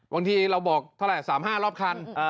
บางทีเราบอกเท่าไหร่๓๕รอบคัน